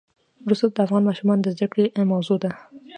رسوب د افغان ماشومانو د زده کړې موضوع ده.